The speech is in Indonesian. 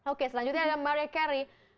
oke selanjutnya ada maria carry